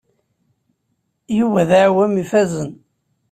Yuba d aɛewwam ifazen.